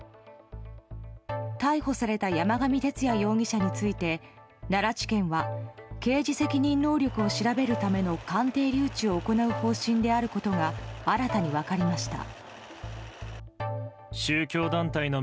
逮捕された山上徹也容疑者について奈良地検は刑事責任能力を調べるための鑑定留置を行う方針であることが新たに分かりました。